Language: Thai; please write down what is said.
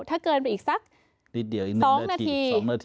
ถ้าเกินไปอีกสัก๒นาที